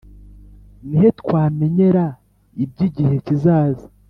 Ni he twamenyera iby igihe kizaza